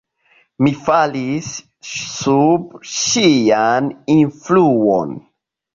Mi falis sub ŝian influon.